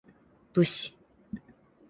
武士